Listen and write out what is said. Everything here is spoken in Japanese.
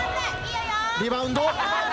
リバウンド。笑